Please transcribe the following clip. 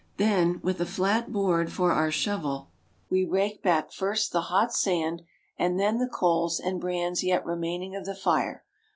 Then, with a flat board for our shovel, we rake back first the hot sand, and then the coals and brands yet remaining of the fire.